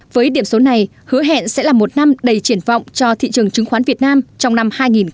với điểm số này hứa hẹn sẽ là một năm đầy triển vọng cho thị trường chứng khoán việt nam trong năm hai nghìn hai mươi